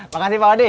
makasih pak wdy